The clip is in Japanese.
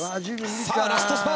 さあラストスパート。